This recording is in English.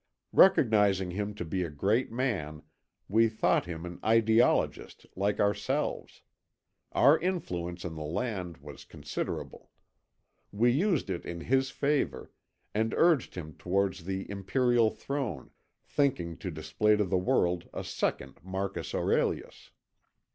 "Recognizing him to be a great man, we thought him an ideologist like ourselves. Our influence in the land was considerable. We used it in his favour, and urged him towards the Imperial throne, thinking to display to the world a second Marcus Aurelius.